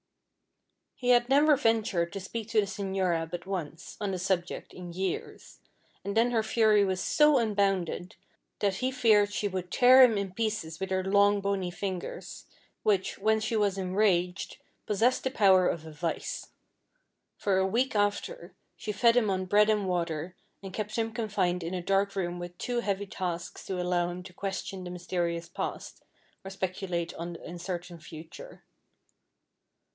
He had never ventured to speak to the Señora but once, on the subject, in years, and then her fury was so unbounded, that he feared she would tear him in pieces with her long bony fingers, which, when she was enraged, possessed the power of a vice. For a week after, she fed him on bread and water, and kept him confined in a dark room with too heavy tasks to allow him to question the mysterious past, or speculate on the uncertain future.